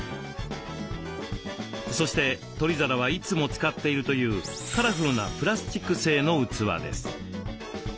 そして取り皿はいつも使っているというカラフルなプラスチック製の器です。